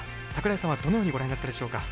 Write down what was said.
櫻井さんはどのようにご覧になったでしょうか？